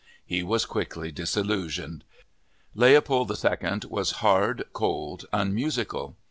He was quickly disillusioned. Leopold II was hard, cold, unmusical.